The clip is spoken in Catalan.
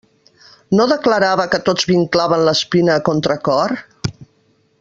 No declarava que tots vinclaven l'espina a contracor?